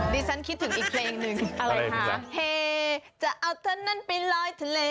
ฉันคิดถึงอีกเพลงหนึ่งอะไรคะเฮจะเอาท่านนั้นไปลอยทะเล